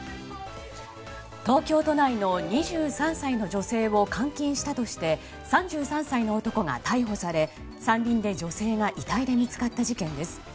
東京都内の２３歳の女性を監禁したとして３３歳の男が逮捕され山林で女性が遺体で見つかった事件です。